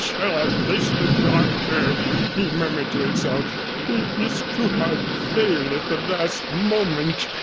'How shall I face the doctor?' he murmured to himself. 'It is too hard to fail at the last moment.'